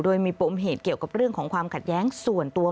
โดยมีปมเหตุเกี่ยวกับเรื่องของความขัดแย้งส่วนตัว